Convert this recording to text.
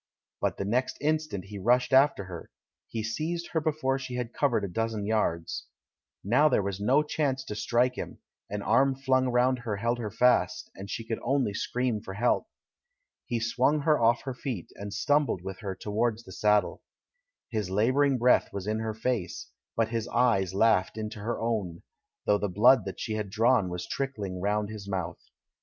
But the next instant he rushed after her; he seized her before she had covered a dozen yards. Now there was no chance to strike him — an arm flung round her held her fast, and she could only scream for help. He swung her off her feet, and stumbled with her towards the saddle. His labouring breath was in her face, but his eyes laughed into her own, though the blood that she had drawn was trickling round his mouth.